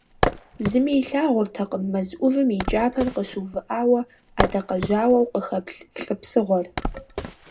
Зыми илъагъуртэкъым мэз ӏувым и кӏапэм къыщыувыӏауэ ӏэдакъэжьауэу къыхэплъ лӏы псыгъуэр.